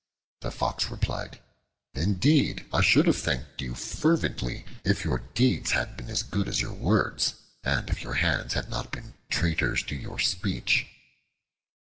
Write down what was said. The Fox replied, "Indeed, I should have thanked you fervently if your deeds had been as good as your words, and if your hands had not been traitors to your speech."